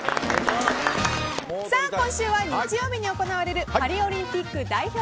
今週は日曜日に行われるパリオリンピック代表